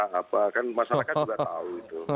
masalah kan juga tahu